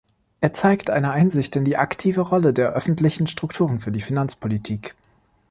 Er zeigt eine Einsicht in die aktive Rolle der öffentlichen Strukturen für die Finanzpolitik.